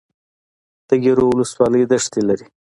د ګیرو ولسوالۍ دښتې لري